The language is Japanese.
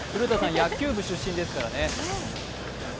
野球部出身ですからね。